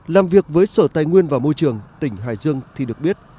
làm việc với sở tài nguyên và môi trường tỉnh hải dương thì được biết